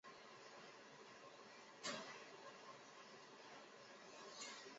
中超联赛俱乐部北京国安以工人体育场作为主场参加各项比赛。